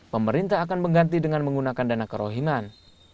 pemerintah akan mengganti dengan menggunakan dana kerohiman